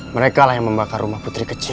merekalah yang membakar rumah putri kecil